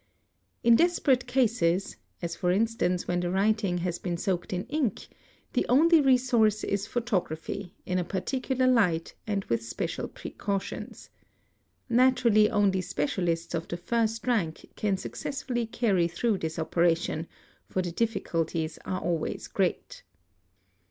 In desperate cases, as for instance when the writing has been soaked in ink, the only resource is photography, in — a particular light and with special precautions. Naturally only specialists — of the first rank can successfully carry through this operation, fee the difficulties are always great.